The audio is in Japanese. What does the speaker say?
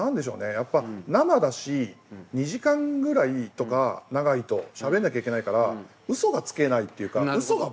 やっぱ生だし２時間ぐらいとか長いとしゃべんなきゃいけないからウソがつけないっていうかウソがばれるっていう。